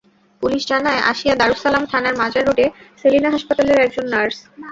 Police জানায়, আসিয়া দারুস সালাম থানার মাজার রোডে সেলিনা হাসপাতালের একজন নার্স।